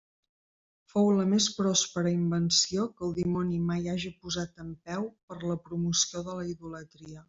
Fou la més pròspera invenció que el dimoni mai haja posat en peu per a la promoció de la idolatria.